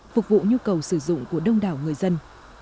phục vụ nhu cầu sử dụng của đông đảo người dân